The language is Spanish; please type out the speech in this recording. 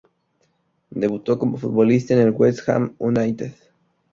Debutó como futbolista en el West Ham United.